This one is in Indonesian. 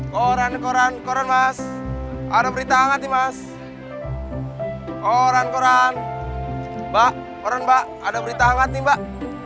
koran koran koran mas ada berita hangat nih mas koran koran mbak koran mbak ada berita hangat nih mbak